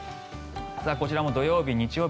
こちらも土曜日、日曜日